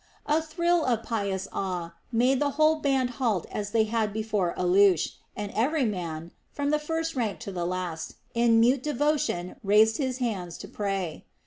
A thrill of pious awe made the whole band halt as they had before Alush, and every man, from the first rank to the last, in mute devotion raised his hands to pray.